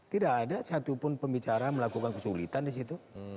tidak ada satupun pembicara melakukan kesulitan disitu